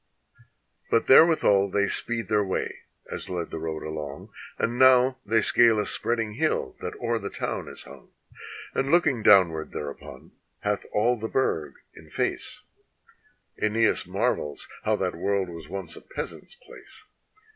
] But therewithal they speed their way as led the road along; And now they scale a spreading hill that o'er the town is hung, And looking downward thereupon hath all the burg in face, ^neas marvels how that world was once a peasants' place.